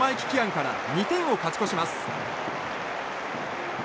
キアンから２点を勝ち越します。